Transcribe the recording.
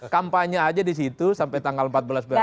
kampanye saja disitu sampai tanggal empat belas februari